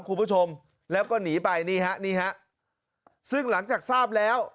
คุณผู้ชมแล้วก็หนีไปนี่ฮะนี่ฮะซึ่งหลังจากทราบแล้ว